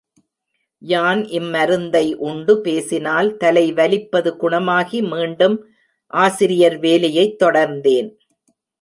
யான் இம்மருந்தை உண்டு, பேசினால் தலை வலிப்பது குணமாகி மீண்டும் ஆசிரியர் வேலையைத் தொடர்ந்தேன்.